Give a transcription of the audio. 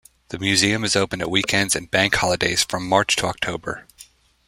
The museum is open at weekends and Bank Holidays from March to October.